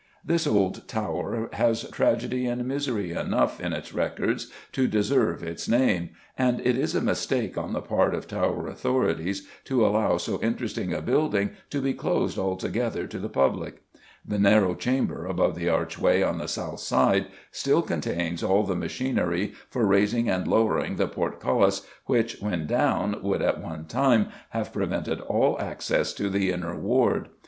This old tower has tragedy and misery enough in its records to deserve its name, and it is a mistake on the part of Tower authorities to allow so interesting a building to be closed altogether to the public. The narrow chamber above the archway on the south side still contains all the machinery for raising and lowering the portcullis which, when down, would at one time have prevented all access to the Inner Ward.